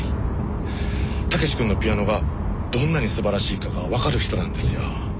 武志君のピアノがどんなにすばらしいかが分かる人なんですよ。